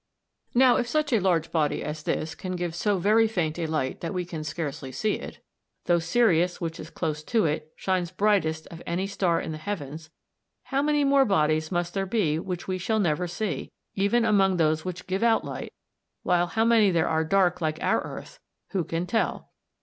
Now if such a large body as this can give so very faint a light that we can scarcely see it, though Sirius, which is close to it, shines brightest of any star in the heavens, how many more bodies must there be which we shall never see, even among those which give out light, while how many there are dark like our earth, who can tell?